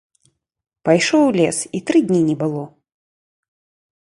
Пайшоў у лес, і тры дні не было.